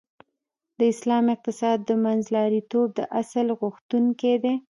د اسلام اقتصاد د منځلاریتوب د اصل غوښتونکی دی .